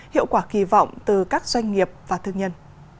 hiệu quả kỳ vọng từ các doanh nghiệp và thương nhân